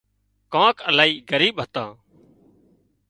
ڪانڪ الاهي ڳريٻ هتان